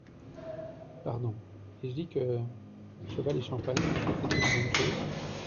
Pardon ! ai-je dit que… cheval et champagne, ça s’écrit la même chose ?